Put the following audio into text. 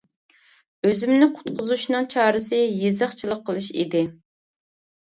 ئۆزۈمنى قۇتقۇزۇشنىڭ چارىسى يېزىقچىلىق قىلىش ئىدى.